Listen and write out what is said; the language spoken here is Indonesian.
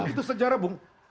itu sejarah bung